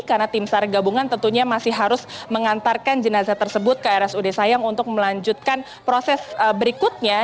karena tim sargabungan tentunya masih harus mengantarkan jenazah tersebut ke rs ud sayang untuk melanjutkan proses berikutnya